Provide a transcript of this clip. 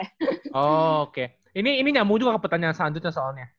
oh oke ini nyamu juga ke pertanyaan selanjutnya soalnya